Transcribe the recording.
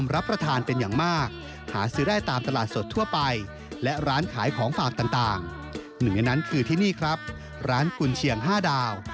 ร้านกุลเชียง๕ดาว